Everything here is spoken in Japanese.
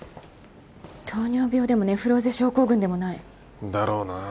糖尿病でもネフローゼ症候群でもない。だろうな。